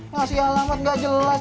ngasih alamat gak jelas